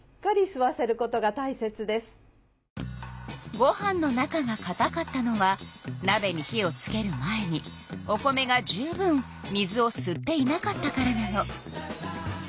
ご飯の中がかたかったのはなべに火をつける前にお米が十分水をすっていなかったからなの。